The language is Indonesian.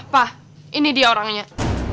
ma pa ini dia orangnya